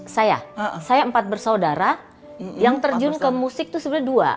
saya saya empat bersaudara yang terjun ke musik itu sebenarnya dua